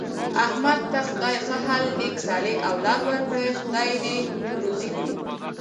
احمد ته خدای ښه حل نېک صالح اولاد ورکړی، خدای یې دې روزي کړي.